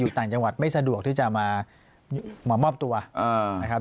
ต่างจังหวัดไม่สะดวกที่จะมามอบตัวนะครับ